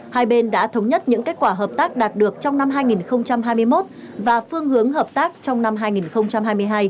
hai bên đã thống nhất những kết quả hợp tác đạt được trong năm hai nghìn hai mươi một và phương hướng hợp tác trong năm hai nghìn hai mươi hai